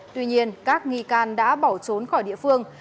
tuy nhiên các nghi can đã bỏ trốn khỏi địa phương